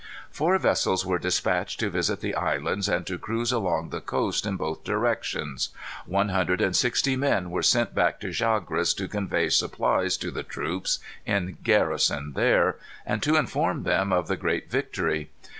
Four vessels were dispatched to visit the islands and to cruise along the coast in both directions. One hundred and sixty men were sent back to Chagres to convey supplies to the troops in garrison there, and to inform them of the great victory.